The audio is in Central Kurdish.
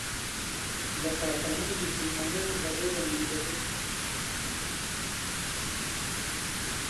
لەو خاکانەی کە موسڵمانان بەڕێوەیان دەبرد